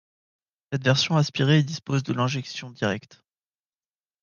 Cette version aspirée dispose de l'injection directe.